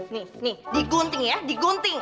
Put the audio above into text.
nih nih digunting ya digunting